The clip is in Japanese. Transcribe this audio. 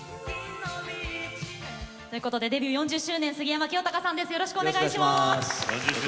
デビュー４０周年杉山清貴さんです。